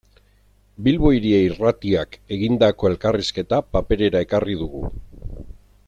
Bilbo Hiria Irratiak egindako elkarrizketa paperera ekarri dugu.